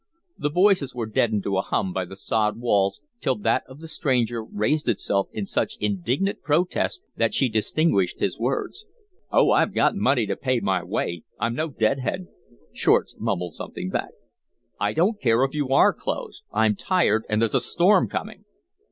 The voices were deadened to a hum by the sod walls, till that of the stranger raised itself in such indignant protest that she distinguished his words. "Oh, I've got money to pay my way. I'm no dead head." Shortz mumbled something back. "I don't care if you are closed. I'm tired and there's a storm coming."